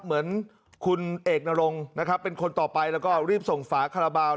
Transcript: เหมือนคุณเอกนรงนะครับเป็นคนต่อไปแล้วก็รีบส่งฝาคาราบาล